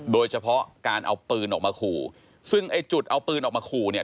โดยเฉพาะการเอาปืนออกมาขู่ซึ่งไอ้จุดเอาปืนออกมาขู่เนี่ย